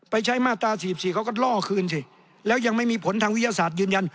ใช้มาตรา๔๔เขาก็ล่อคืนสิแล้วยังไม่มีผลทางวิทยาศาสตร์ยืนยัน